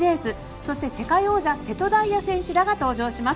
そして、世界王者瀬戸大也選手らが登場します。